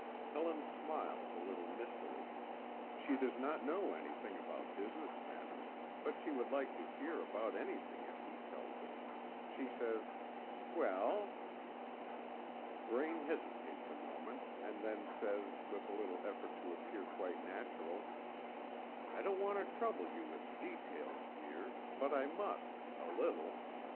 Helen smiles a little mistily. She does not know anything about business matters, but she will like to hear about anything if he tells it. She says: "Well?" Braine hesitates a moment, and then says, with a little effort to appear quite natural: "I don't want to trouble you with details, dear, but I must, a little.